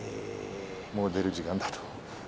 もう出る時間だと。